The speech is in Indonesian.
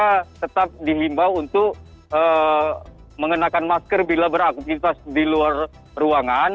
kita tetap dihimbau untuk mengenakan masker bila beraktivitas di luar ruangan